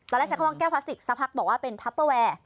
ใช้คำว่าแก้วพลาสติกสักพักบอกว่าเป็นทัปเปอร์แวร์